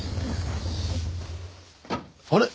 あれ？